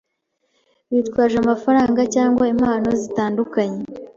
bitwaje amafaranga cyangwa impano zitandukanye